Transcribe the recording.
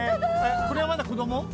これはまだ子ども？